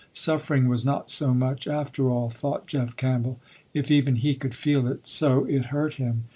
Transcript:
Suffering was not so much after all, thought Jeff Campbell, if even he could feel it so it hurt him.